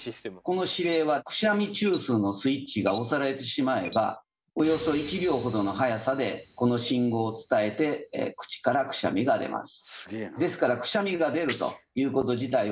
この指令はくしゃみ中枢のスイッチが押されてしまえばおよそ１秒ほどの速さでこの信号を伝えて口からくしゃみが出ます。